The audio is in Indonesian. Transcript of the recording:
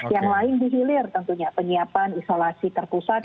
yang lain dihilir tentunya penyiapan isolasi terpusat